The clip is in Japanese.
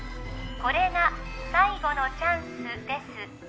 これが最後のチャンスです